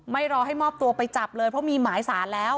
รอให้มอบตัวไปจับเลยเพราะมีหมายสารแล้ว